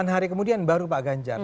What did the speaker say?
delapan hari kemudian baru pak ganjar